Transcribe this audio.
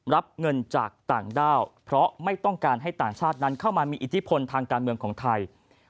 รับเงินจากต่างด้าวเพราะไม่ต้องการให้ต่างชาตินั้นเข้ามามีอิทธิพลทางการเมืองของไทย